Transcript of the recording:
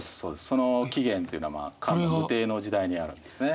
その起源っていうのは漢武帝の時代にあるわけですね。